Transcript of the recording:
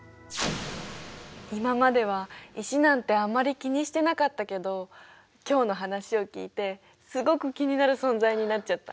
今までは石なんてあまり気にしてなかったけど今日の話を聞いてすごく気になる存在になっちゃった。